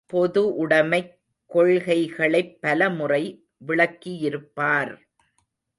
பொதுஉடமைக் கொள்கைகளைப் பலமுறை விளக்கியிருப்பார்!